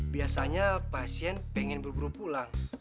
biasanya pasien pengen buru buru pulang